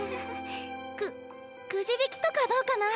くくじ引きとかどうかな？